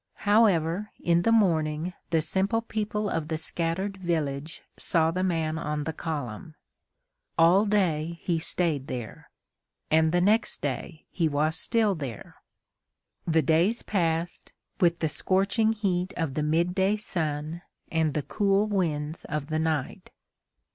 However, in the morning the simple people of the scattered village saw the man on the column. All day he stayed there. And the next day he was still there. The days passed, with the scorching heat of the midday sun, and the cool winds of the night.